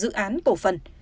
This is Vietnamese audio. dự án cổ phần